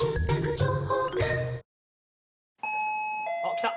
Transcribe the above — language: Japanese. ・来た。